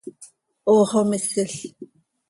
¡Hoox oo misil!